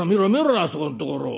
あそこのところを。